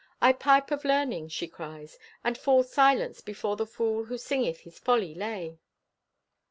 "I pipe of learning," she cries, "and fall silent before the fool who singeth his folly lay."